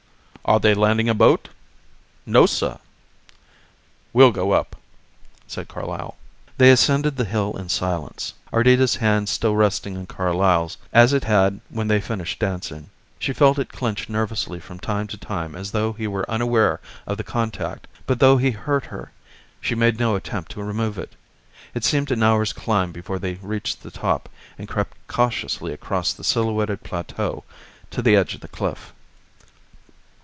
"Are they landing a boat?" "No, suh." "We'll go up," said Carlyle. They ascended the hill in silence, Ardita's hand still resting in Carlyle's as it had when they finished dancing. She felt it clinch nervously from time to time as though he were unaware of the contact, but though he hurt her she made no attempt to remove it. It seemed an hour's climb before they reached the top and crept cautiously across the silhouetted plateau to the edge of the cliff.